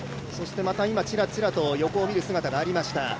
今ちらちらと横を見る姿がありました